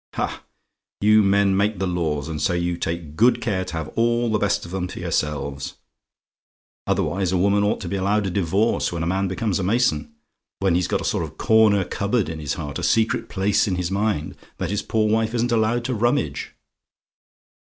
Ha, you men make the laws, and so you take good care to have all the best of 'em to yourselves: otherwise a woman ought to be allowed a divorce when a man becomes a mason: when he's got a sort of corner cupboard in his heart a secret place in his mind that his poor wife isn't allowed to rummage!